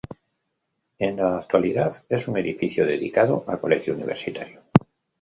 En la actualidad es un edificio dedicado a colegio universitario.